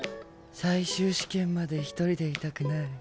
最終試験まで１人でいたくない。